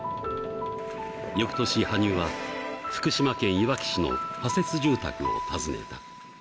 よくとし、羽生は福島県いわき市の仮設住宅を訪ねた。